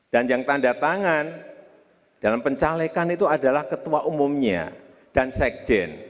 dan yang tanda tangan dalam pencalekan itu adalah ketua umumnya dan sekjen